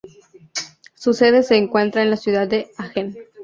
Su sede se encuentra en la ciudad de Hagen.